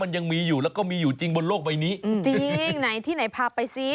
ยังมีอยู่แล้วก็มีอยู่จริงบนโลกใบนี้อืมจริงไหนที่ไหนพาไปซิ